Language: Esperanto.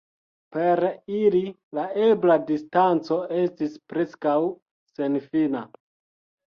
Per ili la ebla distanco estis preskaŭ senfina.